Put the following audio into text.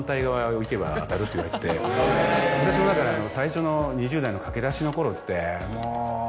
私もだから最初の２０代の駆け出しのころって。